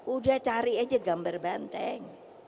udah cari aja gambar banteng